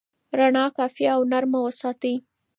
رڼا کافي او نرمه وساتئ.